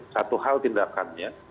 satu hal tindakannya